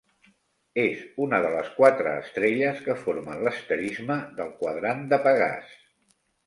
És una de les quatre estrelles que formen l'asterisme del quadrant de Pegàs.